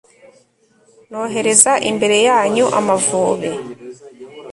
nohereza imbere yanyu amavubi